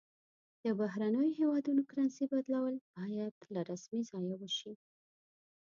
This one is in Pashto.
د بهرنیو هیوادونو کرنسي بدلول باید له رسمي ځایه وشي.